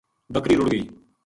بکری رُڑ گئی